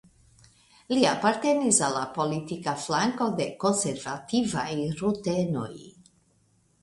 Li apartenis al la politika flanko de konservativaj rutenoj.